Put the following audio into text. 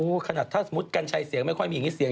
โอ้ขนาดถ้าสมมติการใช้เสียงไม่ค่อยมีสิ่ง